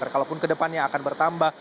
kalaupun ke depannya akan bertambah